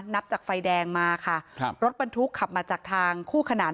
นับจากไฟแดงมาค่ะครับรถบรรทุกขับมาจากทางคู่ขนาน